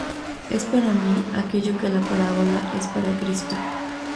Es para mí aquello que la parábola es para Cristo".